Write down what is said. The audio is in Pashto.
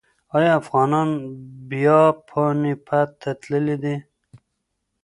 ایا افغانان بیا پاني پت ته تللي دي؟